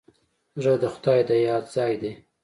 زړه د خدای د یاد ځای دی.